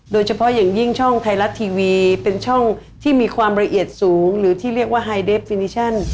โดยเฉพาะอย่างยิ่งช่องไทยรัฐทีวีเป็นช่องที่มีความละเอียดสูงหรือที่เรียกว่าไฮเดฟินิชั่น